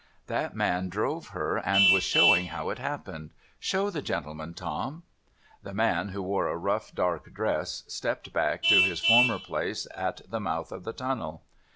That man drove her, and was showing how it happened. Show the gentleman, Tom.' The man, who wore a rough dark dress, stepped back to his former place at the mouth of the tunnel.